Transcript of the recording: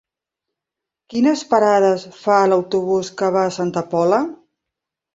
Quines parades fa l'autobús que va a Santa Pola?